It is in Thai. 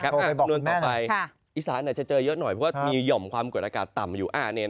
คำนวณต่อไปอีสานอาจจะเจอเยอะหน่อยเพราะว่ามีหย่อมความกดอากาศต่ำอยู่